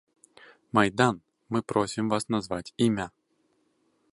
Майдан, мы просім вас назваць імя.